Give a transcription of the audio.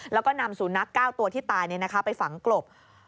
แล้วก็นำสุนัข๙ตัวที่ตายไปฝังกลบ